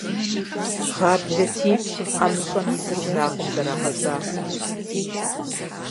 Гъаблэти, ӏэмыщӏэ изыр унагъуэм зэрагъэзахуэрт.